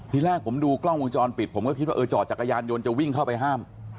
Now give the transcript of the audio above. ทีแรกผมดูกล้องวงจรปิดผมก็คิดว่าเออจอดจักรยานยนต์จะวิ่งเข้าไปห้าม